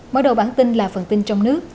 mở đầu bản tin là phần tin trong nước